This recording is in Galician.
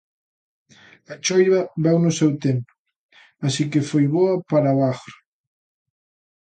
A choiva veu no seu tempo, así que foi boa para o agro.